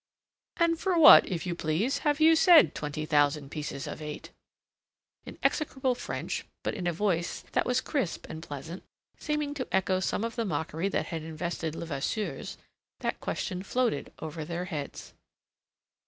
"And for what, if you please, have you said twenty thousand pieces of eight?" In execrable French, but in a voice that was crisp and pleasant, seeming to echo some of the mockery that had invested Levasseur's, that question floated over their heads.